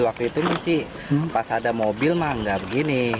waktu itu masih pas ada mobil mah nggak begini